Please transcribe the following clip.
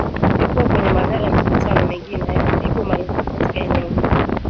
ulikuwa kwenye magari na mikutano mingine haikupigwa marufuku katika eneo hilo